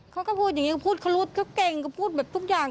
เขาก็พูดอย่างนี้ก็พูดเขารู้เขาเก่งก็พูดแบบทุกอย่าง